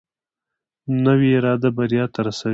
نوې اراده بریا ته رسوي